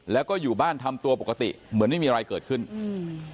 แล้วก็อยู่บ้านทำตัวปกติเหมือนไม่มีอะไรเกิดขึ้นอืม